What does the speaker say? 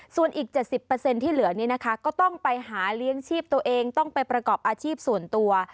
ส่วนอีก๗๐ที่เหลือนี้นะคะก็ต้องไปหาเลี้ยงชีพตัวเองต้องไปประกอบอาชีพส่วนตัว